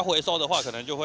kalau kita mau membuang sampah